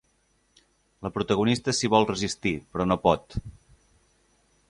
La protagonista s’hi vol resistir, però no pot.